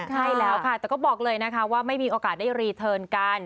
ใช่แล้วค่ะแต่ก็บอกเลยนะคะว่าไม่มีโอกาสได้รีเทิร์นกัน